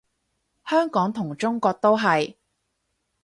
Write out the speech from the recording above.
香港同中國都係